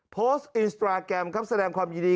โพสต์อินสตราแกรมครับแสดงความยินดี